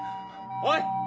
おい！